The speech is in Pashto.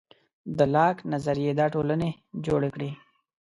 د لاک نظریې دا ټولنې جوړې کړې.